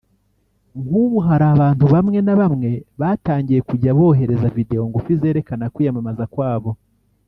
nk’ubu hari abantu bamwe na bamwe batangiye kujya bohereza video ngufi zerekana kwiyamamaza kwabo